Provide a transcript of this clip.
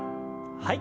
はい。